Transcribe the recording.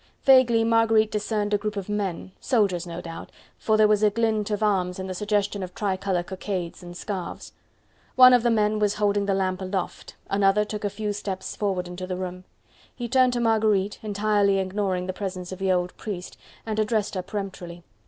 Vaguely Marguerite discerned a group of men, soldiers no doubt, for there was a glint of arms and the suggestion of tricolour cockades and scarves. One of the men was holding the lamp aloft, another took a few steps forward into the room. He turned to Marguerite, entirely ignoring the presence of the old priest, and addressed her peremptorily.